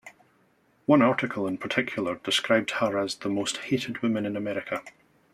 One article, in particular, described her as "the most hated woman in America".